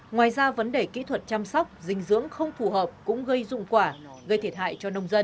ngoài ra vấn đề kỹ thuật chăm sóc dinh dưỡng không phù hợp cũng gây dụng quả gây thiệt hại cho nông dân